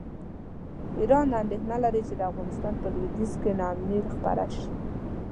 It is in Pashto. ایران اندېښنه لري چې د افغانستان په لویدیځ کې ناامني خپره شي.